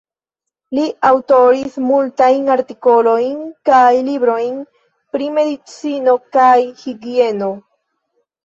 Li aŭtoris multajn artikolojn kaj librojn pri medicino kaj higieno.